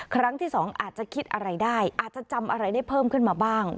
ครั้งที่สองอาจจะคิดอะไรได้อาจจะจำอะไรได้เพิ่มขึ้นมาบ้าง